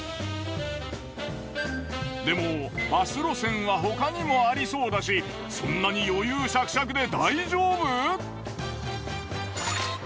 でもバス路線は他にもありそうだしそんなに余裕しゃくしゃくで大丈夫？